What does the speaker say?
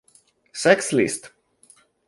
Sex List